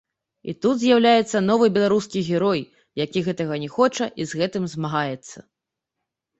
І тут з'яўляецца новы беларускі герой, які гэтага не хоча і з гэтым змагаецца.